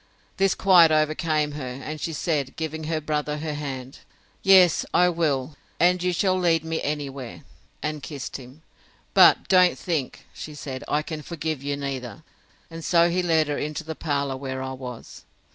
This quite overcame her; and she said, giving her brother her hand, Yes, I will, and you shall lead me any where! and kissed him. But don't think, said she, I can forgive you neither. And so he led her into the parlour where I was.